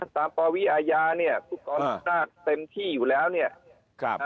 ตามปรวิอาญาเนี่ยผู้กองน่าเต็มที่อยู่แล้วเนี่ยครับ